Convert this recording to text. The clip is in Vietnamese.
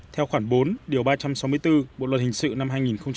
theo khoảng bốn ba trăm sáu mươi bốn bộ luật hình sự năm hai nghìn một mươi năm